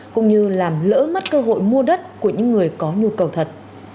cũng như làm lỡ mất cơ hội mua đất của những người có nhu cầu thật